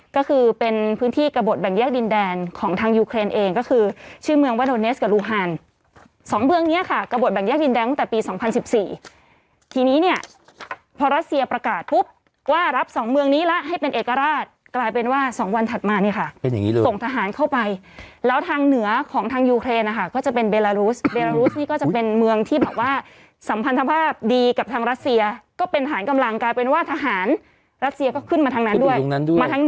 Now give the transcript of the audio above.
ก็คือเป็นพื้นที่กระบวดแบ่งแยกดินแดนของทางยูเครนเองก็คือชื่อเมืองวาโดเนสกับลูฮานสองเมืองเนี่ยค่ะกระบวดแบ่งแยกดินแดนตั้งแต่ปีสองพันสิบสี่ทีนี้เนี่ยพอรัสเซียประกาศปุ๊บว่ารับสองเมืองนี้ละให้เป็นเอกราชกลายเป็นว่าสองวันถัดมาเนี่ยค่ะเป็นอย่างงี้เลยส่งทหารเข้าไปแล้วทางเหน